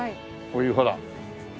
こういうほら。